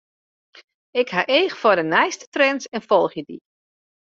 Ik ha each foar de nijste trends en folgje dy.